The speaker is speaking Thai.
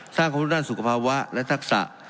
ความรู้ด้านสุขภาวะและทักษะ